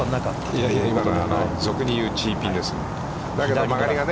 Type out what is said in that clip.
いやいや、今の俗に言うチーピンですね。